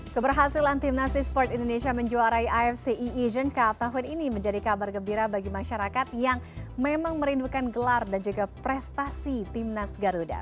keberhasilan timnas e sport indonesia menjuarai afci asian cup tahun ini menjadi kabar gembira bagi masyarakat yang memang merindukan gelar dan juga prestasi timnas garuda